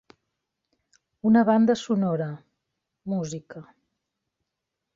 Una banda sonora